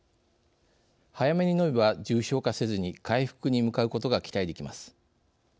早めに飲めば重症化せずに回復に向かうことが期待できます。